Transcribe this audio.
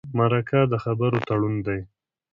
مرکه د خبرو تړون دی.